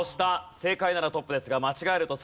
正解ならトップですが間違えると最下位。